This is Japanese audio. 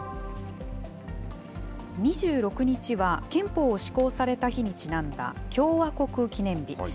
２６日は憲法を施行された日にちなんだ共和国記念日。